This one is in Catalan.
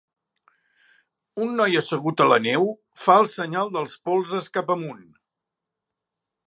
Un noi assegut a la neu, fa el senyal dels polzes cap amunt.